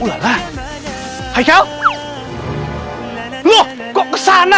aiya kau disana